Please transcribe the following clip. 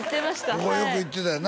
ここよく行ってたよな